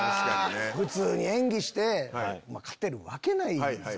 普通に演技して勝てるわけないんですよ